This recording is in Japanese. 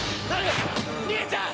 兄ちゃん！